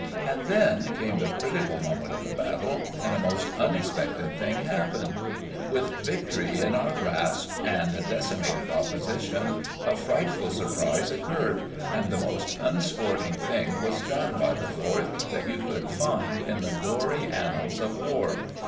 And then came the critical moment of the battle, and a most unexpected thing happened. With victory in our grasp, and a decimated opposition, a frightful surprise occurred, and the most unsporting thing was done by the Fourth that you could find in the gory annals of war.